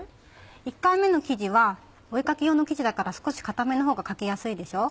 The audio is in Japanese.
１回目の生地はお絵描き用の生地だから少し固めの方が描きやすいでしょう？